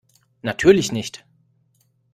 Natürlich nicht.